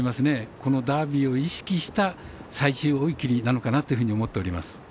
このダービーを意識した最終追い切りなのかなというふうに思っております。